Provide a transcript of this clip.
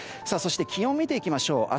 そして気温を見ていきましょう。